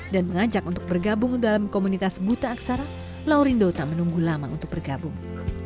dan mengajak untuk bergabung dalam komunitas buta aksara lau rindo tak menunggu lama untuk bergabung